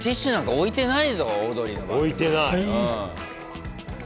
置いてない。